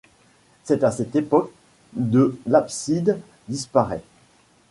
C'est à cette époque de l'abside disparait.